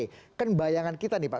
ini masalah kita nih pak